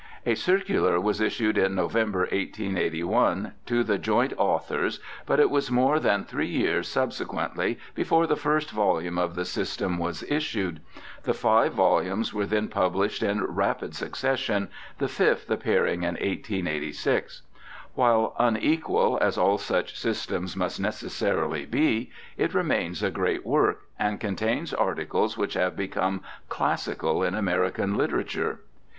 A circular was issued in November, 1881, to the joint authors, but it was more than three years subsequently before the first volume of the system was issued; the five volumes were then pub lished in rapid succession, the fifth appearing in 1886. While unequal, as all such systems must necessarily be, it remains a great work, and contains articles which have become classical in American literature.